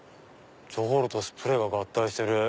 じょうろとスプレーが合体してる。